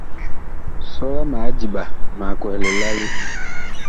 Sɔla ma adiɓa, mag kwɛhɛ lilalo.